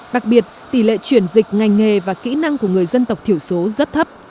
đặc biệt tỷ lệ chuyển dịch ngành nghề và kỹ năng của người dân tộc thiểu số rất thấp